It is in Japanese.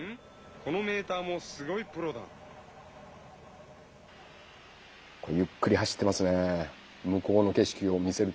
このメーターもすごいプロだあっ来た。